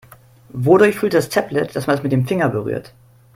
Wodurch fühlt das Tablet, dass man es mit dem Finger berührt?